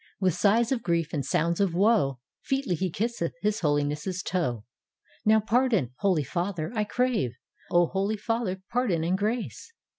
With sighs of grief and sounds of woe, Featly he kisseth his Holiness' toe. " Now pardon. Holy Father, I crave, Holy Father, pardon and grace!